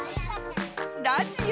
ラジオ。